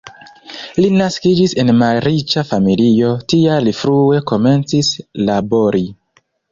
Li naskiĝis en malriĉa familio, tial li frue komencis labori.